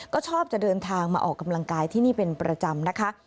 ก็ชอบจะเดินทางมาออกกำลังกายที่นี่เป็นประจำนะคะ